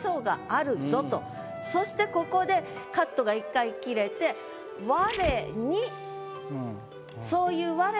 そしてここでカットが一回切れて「我に」。